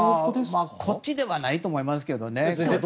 こっちではないと思いますけどね。